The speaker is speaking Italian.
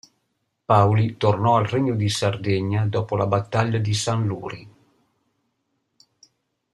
Pauli tornò al regno di Sardegna dopo la battaglia di Sanluri.